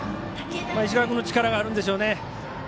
石川君も力があるんでしょうね。